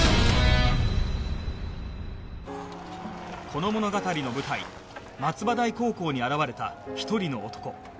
この物語の舞台松葉台高校に現れた１人の男